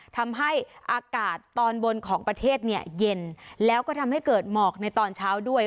ทำให้อากาศตอนบนของประเทศเนี่ยเย็นแล้วก็ทำให้เกิดหมอกในตอนเช้าด้วย